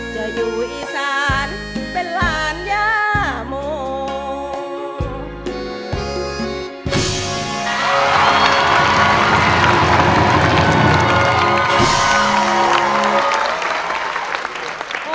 จะอยู่อีสานเป็นหลานย่าโม